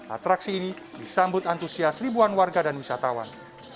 atraksi ini disambut antusias ribuan warga dan wisatawan